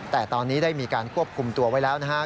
แต่ตอนนี้ได้มีการควบคุมตัวไว้แล้วนะครับ